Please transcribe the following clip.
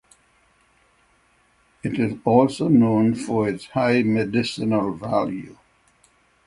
It is also known for its high medicinal value.